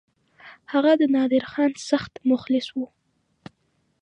هغه د نادرخان سخت مخلص وو.